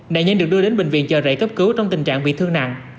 nạn nhân được đưa đến bệnh viện chờ rễ cấp cứu trong tình trạng bị thương nặng